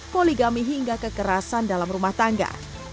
poligami hingga kekerasan dalam rumah tangga